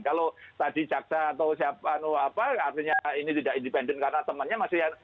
kalau tadi jaksa atau siapa artinya ini tidak independen karena temannya masih